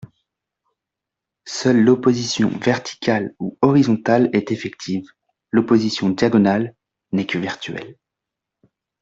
Seule l'opposition verticale ou horizontale est effective, l'opposition diagonale n'est que virtuelle.